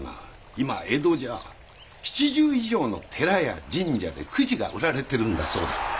今江戸じゃ７０以上の寺や神社でくじが売られてるんだそうだ。